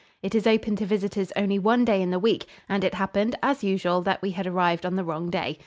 It is open to visitors only one day in the week, and it happened, as usual, that we had arrived on the wrong day.